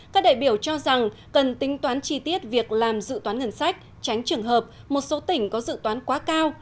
các đại biểu cho rằng cần tính toán chi tiết việc làm dự toán ngân sách tránh trường hợp một số tỉnh có dự toán quá cao